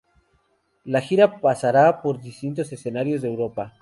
La gira pasará por distintos escenarios de Europa.